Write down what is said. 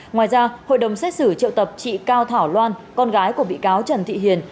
ngoài ra hội đồng xét xử triệu tập chị cao thảo loan con gái của bị cáo trần thị hiền